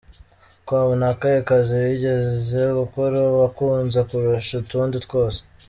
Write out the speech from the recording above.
com: Ni akahe kazi wigeze gukora wakunze kurusha utundi twose? .